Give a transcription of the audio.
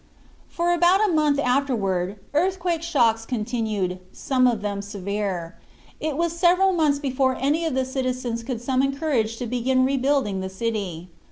For about a month afterward earthquake shocks continued, some of them severe. It was several months before any of the citizens could summon courage to begin rebuilding the city.